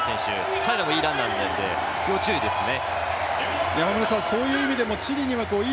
彼らもいいランナーなんで要注意ですね。